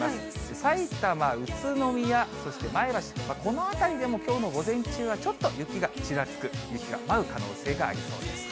さいたま、宇都宮、そして前橋、この辺りでもきょうの午前中はちょっと雪がちらつく、雪が舞う可能性がありそうです。